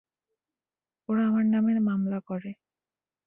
ওরা আমার নামে মামলা করে।